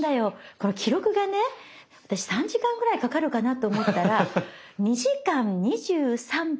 この記録がね私３時間ぐらいかかるかなと思ったら２時間２３分０２秒。